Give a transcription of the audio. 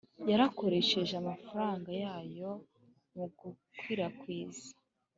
yarakoresheje amafaranga yayo mu gukwirakwiza